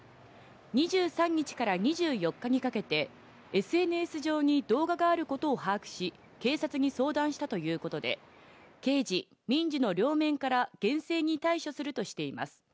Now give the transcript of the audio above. ２３日から２４日にかけて、ＳＮＳ上に動画があることを把握し、警察に相談したということで、刑事・民事の両面から厳正に対処するとしています。